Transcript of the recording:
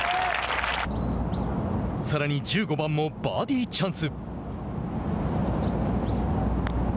さらに１５番もバーディーチャンス。